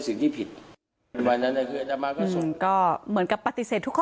สิ่งที่ผิดวันนั้นอาตามาก็ก็เหมือนกับปฏิเสธทุกข้อ